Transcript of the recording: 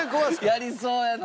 やりそうやな。